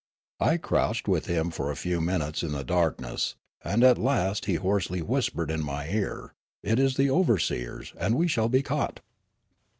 I crouched with him for a few minutes in the darkness, and at last he hoarsely whispered in my ear, " It is the overseers, and we shall be caught